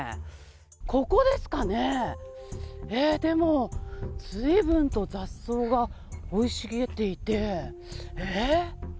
ここですかね、えー、でもずいぶんと雑草が生い茂っていて、えー。